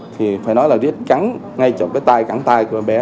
thì phải nói là vết cắn ngay chỗ cái tay cắn tay của bé